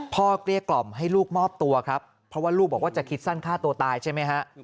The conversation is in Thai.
เกลี้ยกล่อมให้ลูกมอบตัวครับเพราะว่าลูกบอกว่าจะคิดสั้นฆ่าตัวตายใช่ไหมฮะ